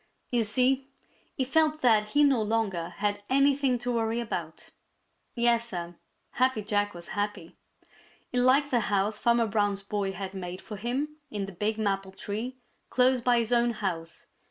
You see, he felt that he no longer had anything to worry about. Yes, Sir, Happy Jack was happy. He liked the house Farmer Brown's boy had made for him in the big maple tree close by his own house.